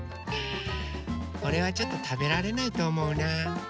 これはちょっとたべられないとおもうなうん。